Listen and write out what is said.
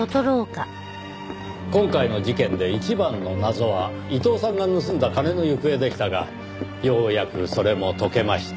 今回の事件で一番の謎は伊藤さんが盗んだ金の行方でしたがようやくそれも解けました。